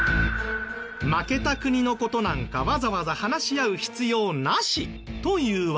負けた国の事なんかわざわざ話し合う必要なし！というわけ。